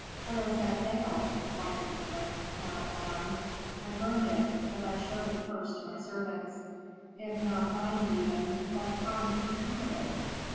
"Where is that veil?" inquired the prince, now alarmed. "I burned it, but I showed it first to my servants." "If not thine even, what harm could come of it?"